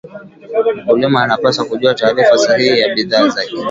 Mkulima anapaswa kujua taarifa sahihi ya bidhaa zake